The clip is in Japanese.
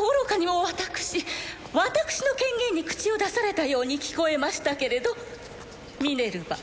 おろかにも私私の権限に口を出されたように聞こえましたけれどミネルバ